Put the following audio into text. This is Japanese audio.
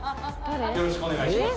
よろしくお願いします。